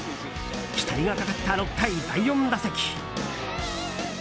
期待がかかった６回第４打席。